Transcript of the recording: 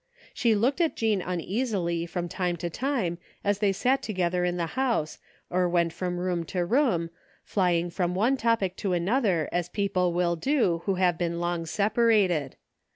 She looked at Jean imeasily from time to time as they sat together in the house, or went about from room to room, flying from one topic to another as people will do who have been long separated.